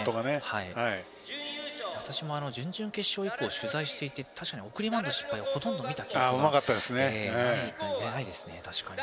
私も準々決勝以降取材をしていて確かに送りバント失敗をほとんど見た記憶がないですね。